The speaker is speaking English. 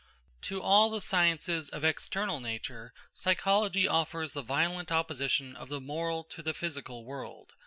To all the sciences of external nature psychology offers the violent opposition of the moral to the physical world.